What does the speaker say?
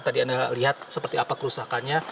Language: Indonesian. tadi anda lihat seperti apa kerusakannya